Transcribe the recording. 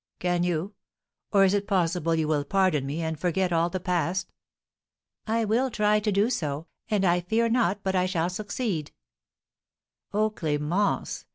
Can you, oh, is it possible you will pardon me, and forget all the past?" "I will try to do so, and I fear not but I shall succeed." "Oh, Clémence!